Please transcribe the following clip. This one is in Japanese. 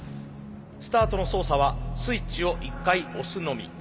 スタートの操作はスイッチを１回押すのみ。